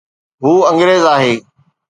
هو انگريز آهي